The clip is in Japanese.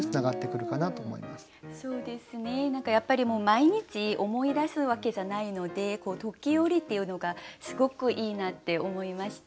やっぱり毎日思い出すわけじゃないので「ときおり」っていうのがすごくいいなって思いました。